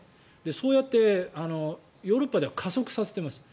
そうやってヨーロッパでは加速させています。